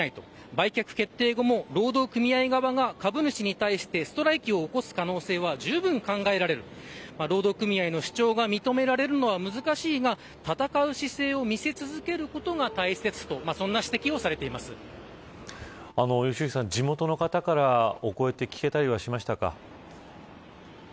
売却決定後も、労働組合側が株主に対してストライキを起こす可能性はじゅうぶんに考えられる労働組合の主張が認められるのは難しいが戦う姿勢を見せ続けることが大切と良幸さん、地元の方からお声は聞けたりしましたか。